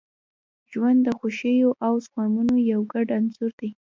• ژوند د خوښیو او غمونو یو ګډ انځور دی.